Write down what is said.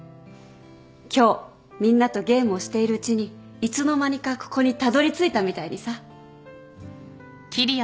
今日みんなとゲームをしているうちにいつの間にかここにたどり着いたみたいにさ。